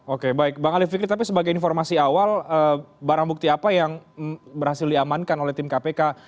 oke baik bang ali fikri tapi sebagai informasi awal barang bukti apa yang berhasil diamankan oleh tim kpk